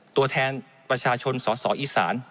ตัวแทนประชาชนสอสออีสาน